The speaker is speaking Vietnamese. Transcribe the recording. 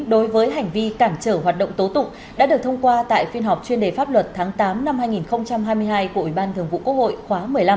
đối với hành vi cản trở hoạt động tố tụng đã được thông qua tại phiên họp chuyên đề pháp luật tháng tám năm hai nghìn hai mươi hai của ủy ban thường vụ quốc hội khóa một mươi năm